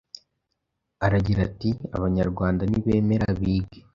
Aragira ati” Abanyarwanda nibemere bige